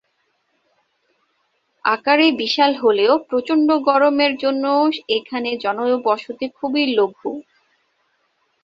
আকারে বিশাল হলেও প্রচণ্ড গরমের জন্য এখানে জনবসতি খুবই লঘু।